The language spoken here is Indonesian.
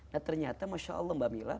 nah ternyata masya allah mbak mila